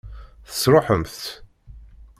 Tesṛuḥemt-tt?